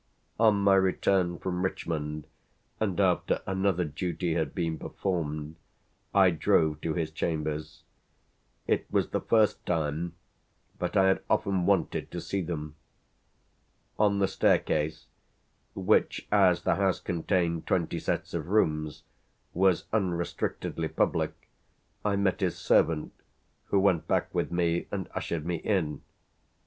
On my return from Richmond and after another duty had been performed I drove to his chambers. It was the first time, but I had often wanted to see them. On the staircase, which, as the house contained twenty sets of rooms, was unrestrictedly public, I met his servant, who went back with me and ushered me in.